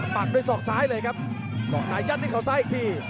ปักด้วยศอกซ้ายเลยครับสอกไหนยัดด้วยเขาซ้ายอีกที